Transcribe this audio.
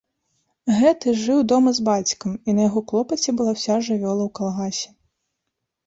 Гэты жыў дома з бацькам, і на яго клопаце была ўся жывёла ў калгасе.